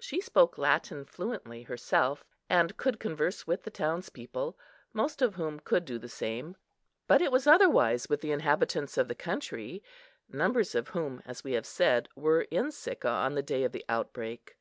She spoke Latin fluently, herself, and could converse with the townspeople, most of whom could do the same; but it was otherwise with the inhabitants of the country, numbers of whom, as we have said, were in Sicca on the day of the outbreak.